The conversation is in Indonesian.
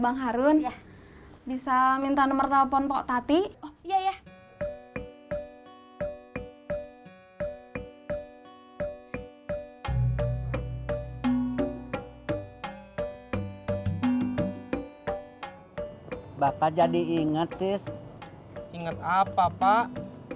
bang harun bisa minta nomor telepon pak tati iya ya bapak jadi inget is inget apa pak